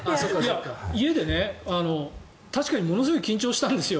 確かにものすごく緊張したんですよ。